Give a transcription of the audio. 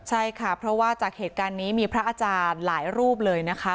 ใช่ค่ะเพราะว่าจากเหตุการณ์นี้มีพระอาจารย์หลายรูปเลยนะคะ